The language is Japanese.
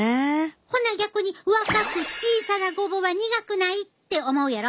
ほな逆に若く小さなごぼうは「苦くない？」って思うやろ？